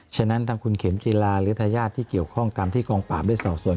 ฉะนั้นทางคุณเข็มจิลาหรือทายาทที่เกี่ยวข้องตามที่กองปราบได้สอบส่วน